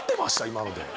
今ので。